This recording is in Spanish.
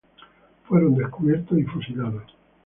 Fueron descubiertos y fusilados.